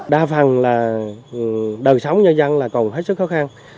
đa phần là đời sống nhân dân là còn hết sức khó khăn